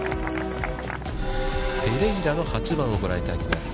ペレイラの８番をご覧いただきます。